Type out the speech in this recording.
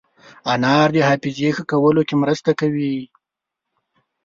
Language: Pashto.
انار د حافظې ښه کولو کې مرسته کوي.